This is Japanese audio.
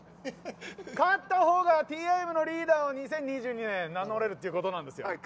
勝ったほうがＴＩＭのリーダーを２０２２年名乗れるということなんですよ。